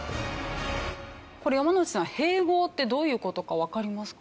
これ山之内さん併合ってどういう事かわかりますか？